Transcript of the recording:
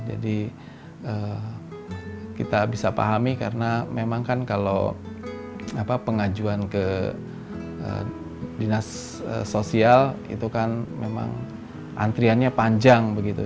jadi kita bisa pahami karena memang kan kalau pengajuan ke dinas sosial itu kan memang antriannya panjang begitu